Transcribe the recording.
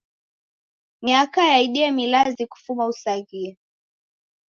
Miaka yaidie milazi kufuma usaghie.